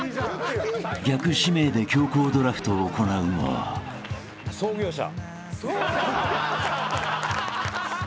［逆指名で強行ドラフトを行うも］創業者。